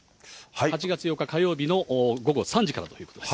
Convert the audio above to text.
８月８日火曜日の午後３時からということです。